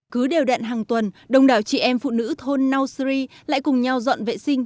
cứ đều đạn hàng tuần đồng đảo chị em phụ nữ thôn nau sri lại cùng nhau dọn vệ sinh